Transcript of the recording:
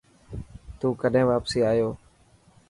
تون ڪڏهن واپسي آيو.